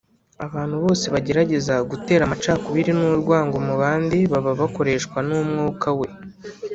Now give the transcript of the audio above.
abantu bose bagerageza gutera amacakubiri n’urwangano mu bandi baba bakoreshwa n’umwuka we